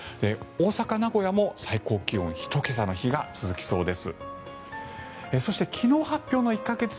大阪、名古屋も最高気温１桁の日が続きそうです。